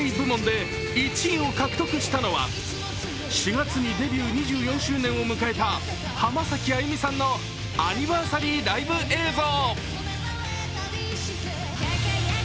４月にデビュー２４周年を迎えた浜崎あゆみさんのアニバーサリーライブ映像。